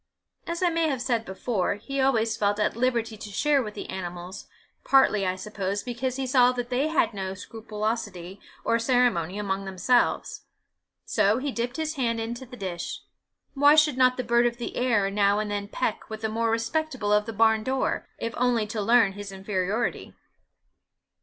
As I may have said before, he always felt at liberty to share with the animals, partly, I suppose, because he saw they had no scrupulosity or ceremony amongst themselves; so he dipped his hand into the dish: why should not the bird of the air now and then peck with the more respectable of the barn door, if only to learn his inferiority?